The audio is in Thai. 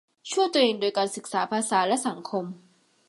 ช่วยตัวเองโดยการศึกษาภาษาและสังคม